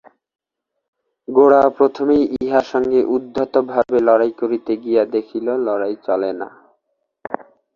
গোরা প্রথমেই ইঁহার সঙ্গে উদ্ধতভাবে লড়াই করিতে গিয়া দেখিল লড়াই চলে না।